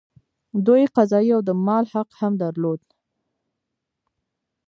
دوی قضايي او د مال حق هم درلود.